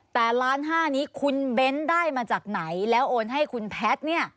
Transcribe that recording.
แต่ล้านห้านี้คุณเบ้นได้มาจากไหนแล้วโอนให้คุณแพทย์เนี่ย